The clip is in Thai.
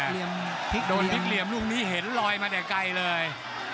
พลิกโดนพลิกเหลี่ยมลูกนี้เห็นลอยมาแต่ไกลเลย